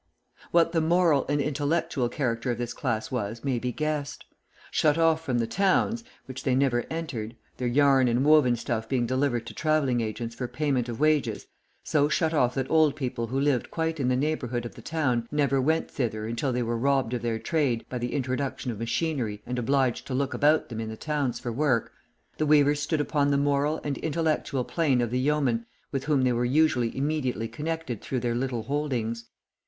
What the moral and intellectual character of this class was may be guessed. Shut off from the towns, which they never entered, their yarn and woven stuff being delivered to travelling agents for payment of wages so shut off that old people who lived quite in the neighbourhood of the town never went thither until they were robbed of their trade by the introduction of machinery and obliged to look about them in the towns for work the weavers stood upon the moral and intellectual plane of the yeomen with whom they were usually immediately connected through their little holdings.